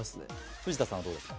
藤田さんはどうですか？